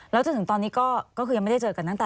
แล้วจนถึงตอนนี้ก็คือยังไม่ได้เจอกันตั้งแต่